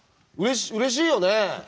うれしいよね？